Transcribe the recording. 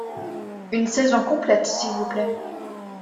Une saison complète, s'il vous plaît!